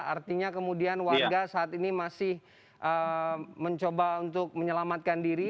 artinya kemudian warga saat ini masih mencoba untuk menyelamatkan diri